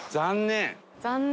残念！